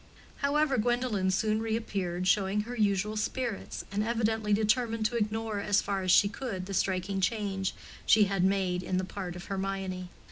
However, Gwendolen soon reappeared, showing her usual spirits, and evidently determined to ignore as far as she could the striking change she had made in the part of Hermione.